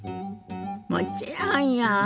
もちろんよ。